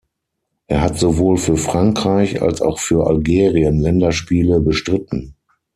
Er hat sowohl für Frankreich als auch für Algerien Länderspiele bestritten.